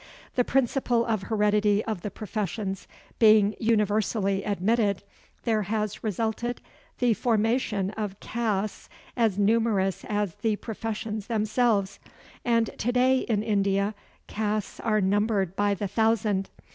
The principle of heredity of the professions being universally admitted, there has resulted the formation of castes as numerous as the professions themselves, and to day in India castes are numbered by the thousand.